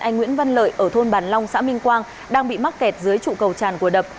anh nguyễn văn lợi ở thôn bàn long xã minh quang đang bị mắc kẹt dưới trụ cầu tràn của đập